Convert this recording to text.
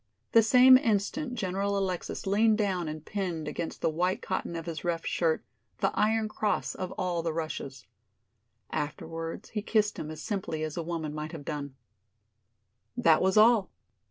The same instant General Alexis leaned down and pinned against the white cotton of his rough shirt the iron cross of all the Russias. Afterwards he kissed him as simply as a woman might have done. That was all!